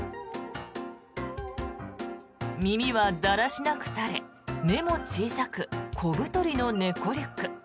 耳はだらしなく垂れ目も小さく小太りの猫リュック。